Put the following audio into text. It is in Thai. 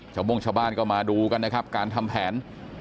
โม่งชาวบ้านก็มาดูกันนะครับการทำแผน